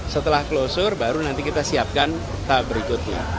setelah klosure baru nanti kita siapkan tahap berikutnya